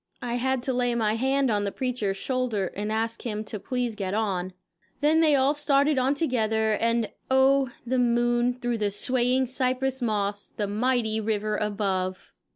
I had to lay my hand on the preacher's shoulder and ask him to please get on; then they all started on together, and oh, the moon, through the swaying cypress moss, the mighty river above!